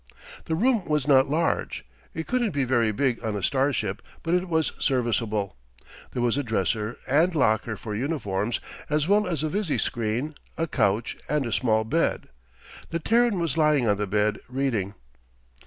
The room was not large; it couldn't be very big on a starship, but it was serviceable. There was a dresser and locker for uniforms, as well as a visi screen, a couch and a small bed. The Terran was lying on the bed, reading.